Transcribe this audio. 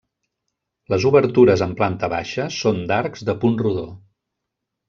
Les obertures en planta baixa són d'arcs de punt rodó.